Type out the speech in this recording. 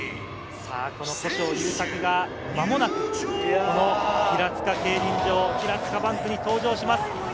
古性優作がまもなくここ平塚競輪場、平塚バンクに登場します。